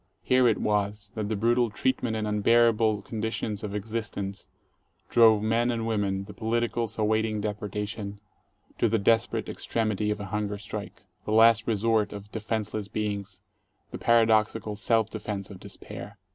Here it was that the brutal treatment and unbearabe conditions of existence drove men and women, the politicals awaiting deportation, to the desperate extremity of a hunger strike, the last resort of defenseless beings, the paradoxical self defense of despair.